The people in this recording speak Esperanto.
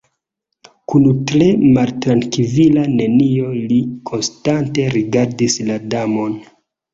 Kun tre maltrankvila mieno li konstante rigardis la Damon.